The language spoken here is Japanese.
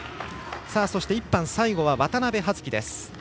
そして１班最後は渡部葉月です。